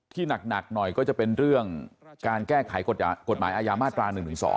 หนักหน่อยก็จะเป็นเรื่องการแก้ไขกฎหมายอาญามาตรา๑๑๒